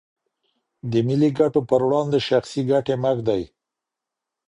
د ملي ګټو پر وړاندې شخصي ګټې مه ږدئ.